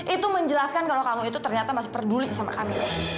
itu menjelaskan kalau kamu itu ternyata masih peduli sama kami